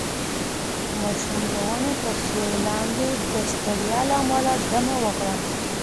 ماشوم د ونې تر سیوري لاندې د ستړیا له امله دمه وکړه.